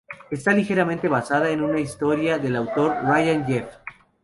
Está ligeramente basada en una historia del autor Ryan Jaffe.